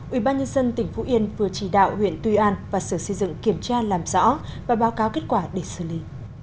ubnd tỉnh phú yên vừa chỉ đạo huyện tuy an và sở xây dựng kiểm tra làm rõ và báo cáo kết quả để xử lý